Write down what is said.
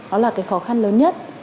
đó là cái khó khăn lớn nhất